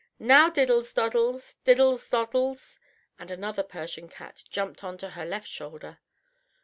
"Now Diddles Doddles, Diddles Doddles," and another Persian cat jumped on to her left shoulder.